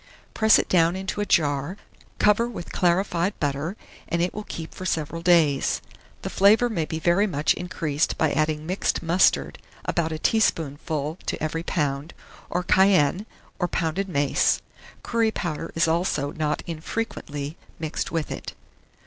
Press it down into a jar, cover with clarified butter, and it will keep for several days. The flavour may be very much increased by adding mixed mustard (about a teaspoonful to every lb.), or cayenne, or pounded mace. Curry powder is also not unfrequently mixed with it.